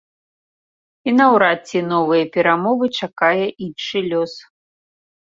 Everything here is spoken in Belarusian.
І наўрад ці новыя перамовы чакае іншы лёс.